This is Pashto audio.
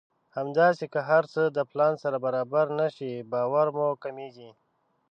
همداسې که هر څه د پلان سره برابر نه شي باور مو کمېږي.